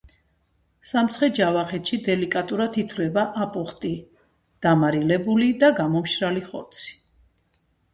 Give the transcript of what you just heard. სამცხე-ჯავახურ დელიკატესად ითვლება აპოხტი — დამარილებული და გამომშრალი ხორცი